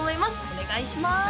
お願いします